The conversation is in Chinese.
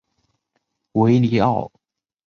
维尼奥。